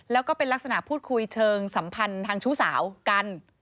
แล้วก็เป็นลักษณะพูดคุยเชิงสัมพันธ์ทางชู้สาวกัน